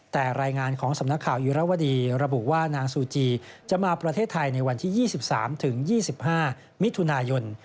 แต่รายงานของสำนักข่าวยุรวดีระบุว่านางซูจีจะมาประเทศไทยในวันที่๒๓๒๕มิถุนายน